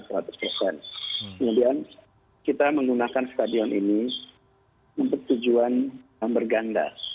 kemudian kita menggunakan stadion ini untuk tujuan yang berganda